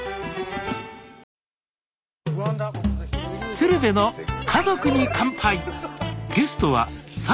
「鶴瓶の家族に乾杯」